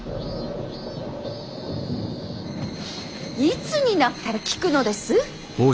いつになったら効くのです。